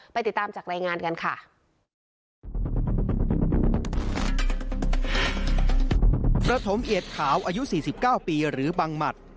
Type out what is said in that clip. ติดตามจากรายงานกันค่ะ